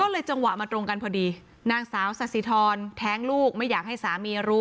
เลยจังหวะมาตรงกันพอดีนางสาวสาธิธรแท้งลูกไม่อยากให้สามีรู้